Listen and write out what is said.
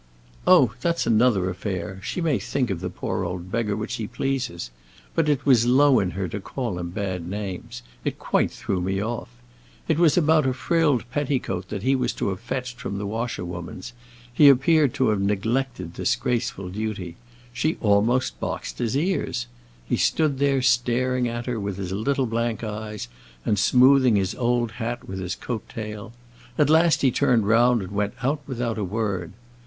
"Oh, that's another affair; she may think of the poor old beggar what she pleases. But it was low in her to call him bad names; it quite threw me off. It was about a frilled petticoat that he was to have fetched from the washer woman's; he appeared to have neglected this graceful duty. She almost boxed his ears. He stood there staring at her with his little blank eyes and smoothing his old hat with his coat tail. At last he turned round and went out without a word.